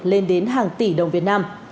lên đến hàng tỷ đồng việt nam